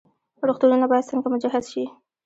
روغتونونه باید څنګه مجهز شي؟